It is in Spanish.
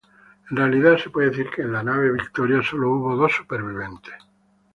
En realidad se puede decir que en la nave "Victoria" solo hubo dos supervivientes.